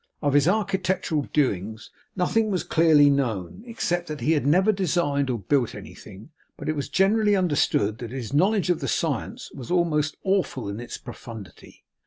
Of his architectural doings, nothing was clearly known, except that he had never designed or built anything; but it was generally understood that his knowledge of the science was almost awful in its profundity.